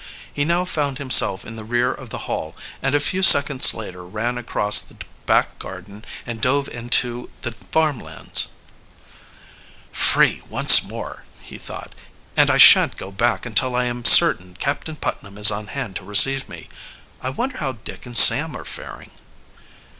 He now found himself in the rear of the Hall and a few seconds later ran across the back garden and dove into the farm lands. "Free once more," he thought. "And I shan't go back until I am certain Captain Putnam is on hand to receive me. I wonder how Dick and Sam are faring?"